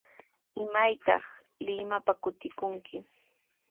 ¿Imaytaq Limapa kutikunki?